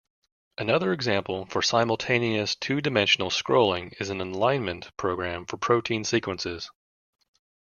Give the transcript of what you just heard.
Another example for simultaneous two-dimensional scrolling is an alignment program for protein sequences.